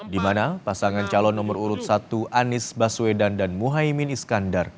di mana pasangan calon nomor urut satu anies baswedan dan muhaymin iskandar